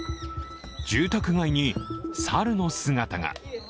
住宅街に猿の姿が。